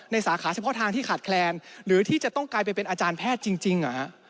สาขาเฉพาะทางที่ขาดแคลนหรือที่จะต้องกลายไปเป็นอาจารย์แพทย์จริง